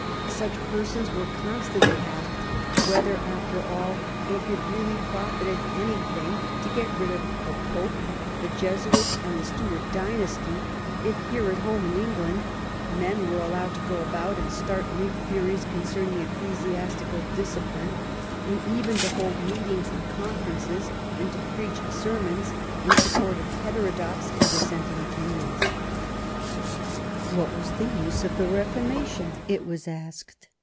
Such persons were constantly asking whether, after all, it had really profited anything to get rid of the Pope, the Jesuits, and the Stuart dynasty if here at home in England men were allowed to go about and start new theories concerning ecclesiastical discipline, and even to hold meetings and conferences, and to preach sermons in support of heterodox and dissent ing opinions. What was the use of the Beformation! it was asked.